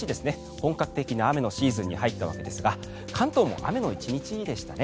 本格的な雨のシーズンに入ったわけですが関東も雨の１日でしたね。